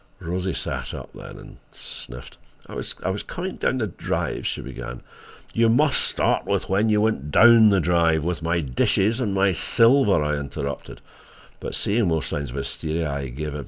Rosie sat up then, and sniffled. "I was coming up the drive—" she began. "You must start with when you went DOWN the drive, with my dishes and my silver," I interrupted, but, seeing more signs of hysteria, I gave in.